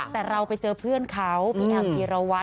แต่เราไปเจอเพื่อนเขาพี่แอมจีรวัต